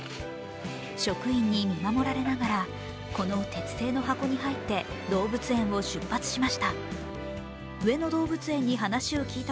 職員に見守れながら、この鉄製の箱に入って動物園を出発しました。